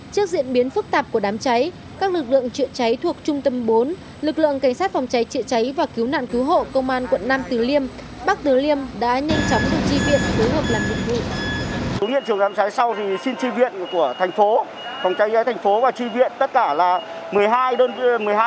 trước diễn biến phức tạp của đám cháy các lực lượng trịa cháy thuộc trung tâm bốn lực lượng cảnh sát phòng cháy trịa cháy và cứu nạn cứu hộ công an quận năm tứ liêm bắc tứ liêm đã nhanh chóng được tri viện với hợp làm nhiệm vụ